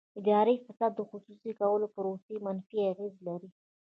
اداري فساد د خصوصي کولو پروسې منفي اغېز لري.